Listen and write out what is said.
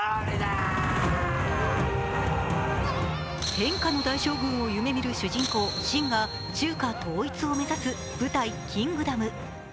天下の大将軍を夢みる主人公・信が中華統一を目指す舞台「キングダム」。